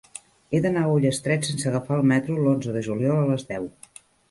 He d'anar a Ullastret sense agafar el metro l'onze de juliol a les deu.